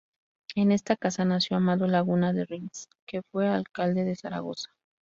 En esta casa nació Amado Laguna de Rins, que fue alcalde de Zaragoza.